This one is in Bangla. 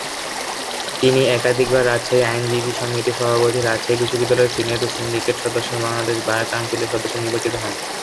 তিনি একাধিকবার রাজশাহী আইনজীবী সমিতির সভাপতি, রাজশাহী বিশ্ববিদ্যালয়ের সিনেট ও সিন্ডিকেট সদস্য এবং বাংলাদেশ বার কাউন্সিলের সদস্য নির্বাচিত হন।